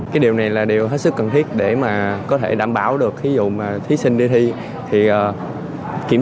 cái điều này là điều hết sức cần thiết để mà có thể đảm bảo được thí dụ mà thí sinh đi thi thì kiểm